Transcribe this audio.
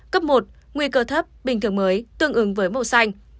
cấp một nguy cơ thấp bình thường mới tương ứng với màu xanh